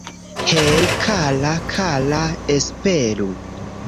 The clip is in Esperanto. Hej, kara, kara.. Esperu